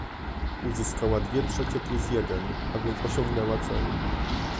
Uzyskała dwie trzecie plus jeden, a więc osiągnęła cel